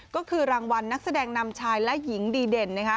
ก็คือรางวัลนักแสดงนำชายและหญิงดีเด่น